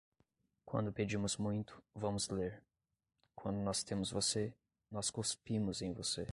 Quando pedimos muito, vamos ler; quando nós temos você, nós cuspimos em você.